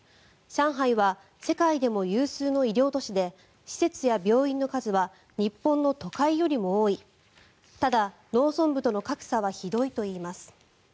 上海は世界でも有数の医療都市で施設や病院の数は日本の都会よりも多いただ農村部との格差はひどいといいます。